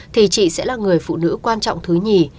thì chị sẽ là người phụ nữ quan trọng thứ nhì